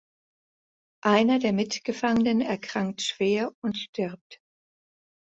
Einer der Mitgefangenen erkrankt schwer und stirbt.